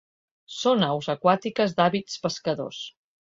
Són aus aquàtiques d'hàbits pescadors.